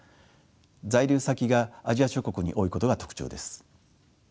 在留先がアジア諸国に多いことが特徴です。